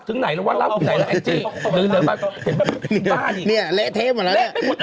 แล้วฉันต้องทดลองจริงเธอถามว่าสามารถอะไร